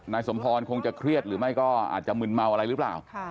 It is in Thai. สมพรคงจะเครียดหรือไม่ก็อาจจะมึนเมาอะไรหรือเปล่า